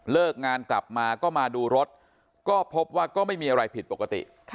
งานกลับมาก็มาดูรถก็พบว่าก็ไม่มีอะไรผิดปกติ